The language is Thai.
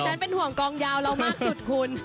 เป็นห่วงกองยาวเรามากสุดคุณ